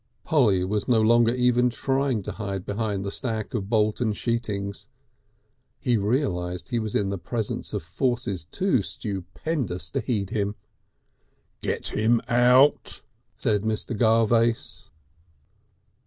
Polly was no longer even trying to hide behind the stack of Bolton sheetings. He realised he was in the presence of forces too stupendous to heed him. "Get him out," said Mr. Garvace.